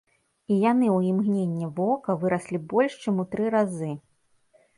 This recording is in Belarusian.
І яны ў імгненне вока выраслі больш чым у тры разы.